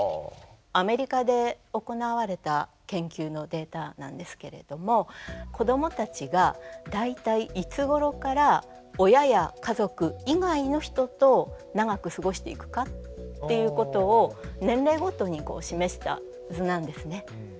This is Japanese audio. アメリカで行われた研究のデータなんですけれども子供たちが大体いつごろから親や家族以外の人と長く過ごしていくかっていうことを年齢ごとに示した図なんですね。